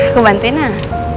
aku bantuin ah